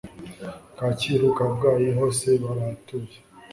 Kacyiru, Kabgayi, hose barahatuye